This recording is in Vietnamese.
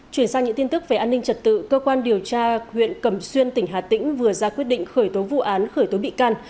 chuyển sang những tin tức về an ninh trật tự cơ quan điều tra huyện cầm xuyên tỉnh hà tĩnh vừa ra quyết định khởi tố vụ án khởi tố bị can